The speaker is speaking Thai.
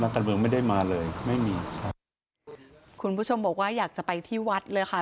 การเมืองไม่ได้มาเลยไม่มีครับคุณผู้ชมบอกว่าอยากจะไปที่วัดเลยค่ะ